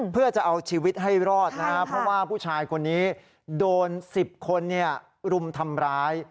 เพื่อจะเอาชีวิตให้รอดนะครับเพราะว่าผู้ชายคนนี้โดน๑๐คนรุมทำร้าย